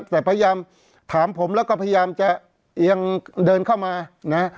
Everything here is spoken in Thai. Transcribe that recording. แต่พยายามถามผมแล้วก็พยายามจะเอียงเดินเข้ามานะ